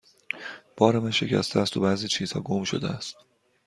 بار من شکسته است و بعضی چیزها گم شده است.